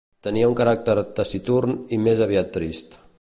Tènia un caràcter taciturn i més aviat trist.